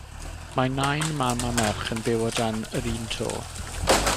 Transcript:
Mae nain, mam a merch yn byw o dan yr unto.